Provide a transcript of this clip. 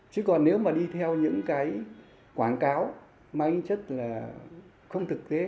chứ còn nếu mà đi theo những cái quảng cáo mang tính chất là không thực tế